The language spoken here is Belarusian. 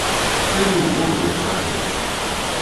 Калі увогуле б трапіла.